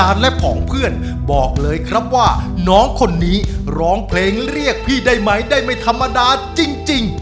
ร้องเพลงเรียกพี่ได้ไหมได้ไม่ธรรมดาจริง